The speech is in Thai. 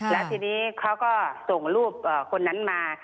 แล้วทีนี้เขาก็ส่งรูปคนนั้นมา